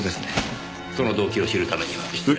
その動機を知るためには失礼。